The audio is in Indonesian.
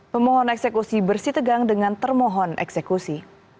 pemohon eksekusi bersih tegang dengan termohon eksekusi